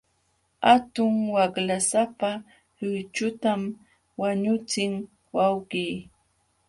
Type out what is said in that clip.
Hatun waqlasapa luychutam wañuqchin wawqii.